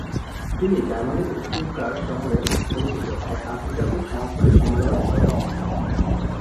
তিনি জার্মানির স্টুটগার্ট শহরে অনুষ্ঠিত এক আন্তর্জাতিক সমাজবাদী সম্মেলনে করেন।